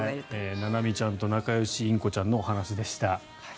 ななみちゃんと仲よしインコちゃんのお話でした。